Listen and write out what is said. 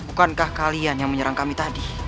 bukankah kalian yang menyerang kami tadi